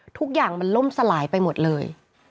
ทุกอย่างมันล่มสลายไปหมดเลย